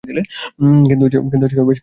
কিন্তু বেশিক্ষণ না।